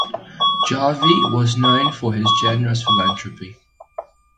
Jarvie was known for his generous philanthropy.